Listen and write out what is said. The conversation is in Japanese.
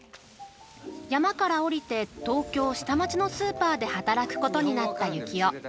山から下りて東京下町のスーパーで働くことになったユキオ。